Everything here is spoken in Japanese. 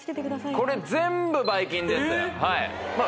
これ全部ばい菌ですえっ？